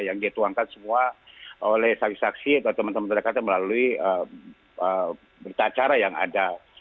yang dituangkan semua oleh saksi saksi atau teman teman terdekatnya melalui berita acara yang ada